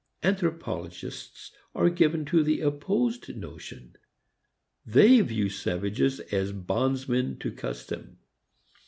Anthropologists are given to the opposed notion. They view savages as bondsmen to custom.